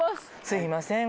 すいません